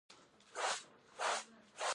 دوی په ټاکلي وخت کې مرسته کوي.